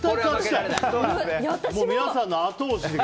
皆さんの後押しが。